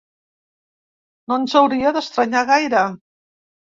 No ens hauria d’estranyar gaire.